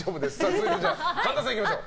続いて、神田さんいきましょう。